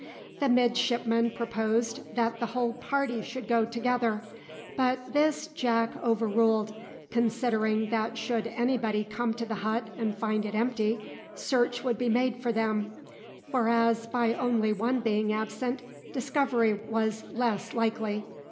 The midshipmen proposed that the whole party should go together; but this Jack over ruled, considering that should any body come to the hut and find it empty, search would be made for them, whereas by only one being absent, discovery was less likely.